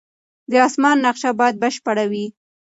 د اسمان نقشه باید بشپړه وي.